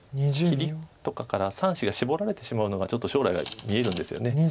切りとかから３子がシボられてしまうのがちょっと将来が見えるんですよね。